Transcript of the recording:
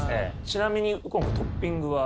ちなみに右近君トッピングは？